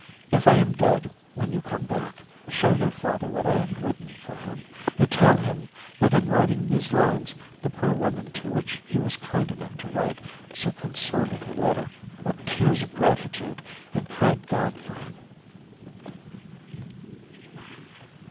If I am dead when you come back, show your father what I have written for him, and tell him that in writing these lines the poor woman to whom he was kind enough to write so consoling a letter wept tears of gratitude and prayed God for him.